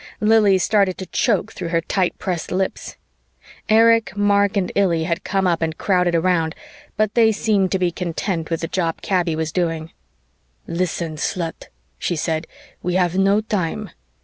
Lili started to choke through her tight pressed lips. Erich, Mark and Illy had come up and crowded around, but they seemed to be content with the job Kaby was doing. "Listen, slut," she said, "we have no time.